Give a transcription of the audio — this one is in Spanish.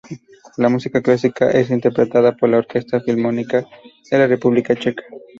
La música clásica es interpretada por la Orquesta Filarmónica de la República Checa.